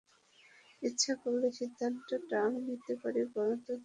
ইচ্ছে করলে সিদ্ধান্তটা আমি নিতে পারি, গঠনতন্ত্রে সেই ক্ষমতা আমাকে দেওয়া আছে।